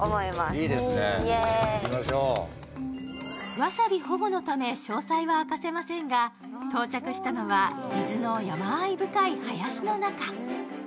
わさび保護のため、詳細は明かせませんが、到着したのは伊豆の山あい深い林の中。